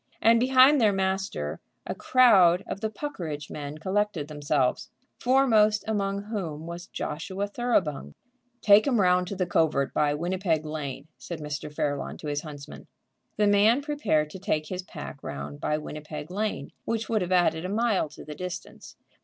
And behind their master a crowd of the Puckeridge men collected themselves, foremost among whom was Joshua Thoroughbung. "Take 'em round to the covert by Winnipeg Lane," said Mr. Fairlawn to his huntsman. The man prepared to take his pack round by Winnipeg Lane, which would have added a mile to the distance.